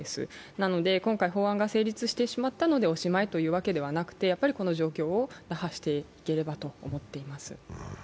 なので今回法案が成立してしまったのでおしまいということでなくこの状況を打破していければと思っています。